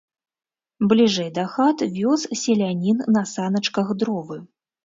Бліжэй да хат вёз селянін на саначках дровы.